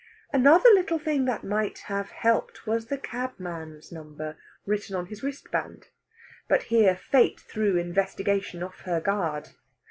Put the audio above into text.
Another little thing that might have helped was the cabman's number written on his wristband. But here Fate threw investigation off her guard.